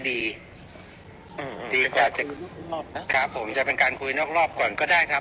ดีกว่าจะคุยนอกรอบนะครับครับผมจะเป็นการคุยนอกรอบก่อนก็ได้ครับ